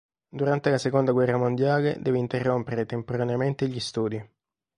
Durante la seconda guerra mondiale deve interrompere temporaneamente gli studi.